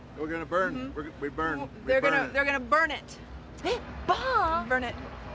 えっバーン？